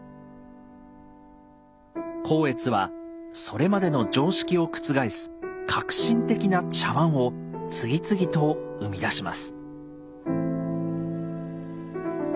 光悦はそれまでの常識を覆す革新的な茶碗を次々と生み出します。